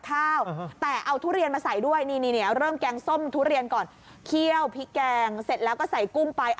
เคี้ยวพริกแกงเสร็จแล้วก็ใส่กุ้งไป